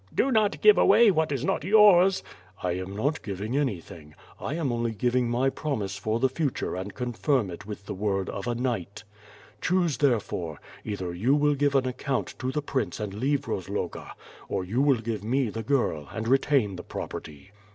"Do not give away what is not yours." "I am not giving anything, I am only giving my promise for the future and confirm it with the word of a knight. WITH FIRE AND SWORD, 67 Choose therefore; either you will give an account to the prince and leave Rozloga, or you will give me the girl and retain the property